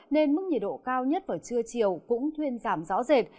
nên mức nhiệt độ cao nhất vào trưa chiều cũng thuyên giảm rõ rệt